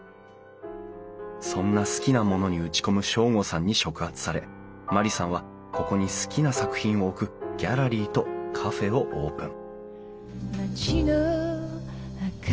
そんな好きなものに打ち込む省吾さんに触発され万里さんはここに好きな作品を置くギャラリーとカフェをオープン